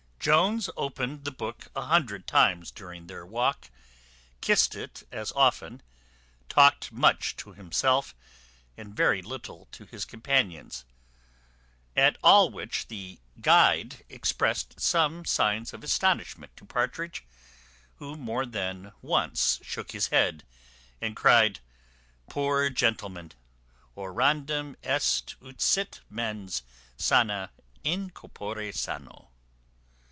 Jones opened the book a hundred times during their walk, kissed it as often, talked much to himself, and very little to his companions. At all which the guide exprest some signs of astonishment to Partridge; who more than once shook his head, and cryed, Poor gentleman! _orandum est ut sit mens sana in corpore sano.